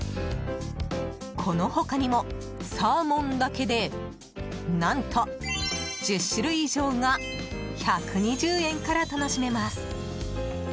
この他にも、サーモンだけで何と１０種類以上が１２０円から楽しめます。